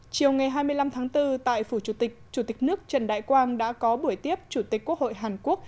chiều ngày hai mươi năm tháng bốn tại phủ chủ tịch chủ tịch nước trần đại quang đã có buổi tiếp chủ tịch quốc hội hàn quốc